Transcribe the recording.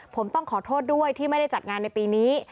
ผมต้องขอโทษด้วยที่ไม่ได้จัดงานในปีนี้